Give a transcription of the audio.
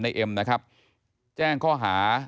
เอ็มนะครับแจ้งข้อหา